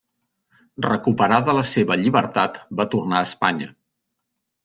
Recuperada la seva llibertat, va tornar a Espanya.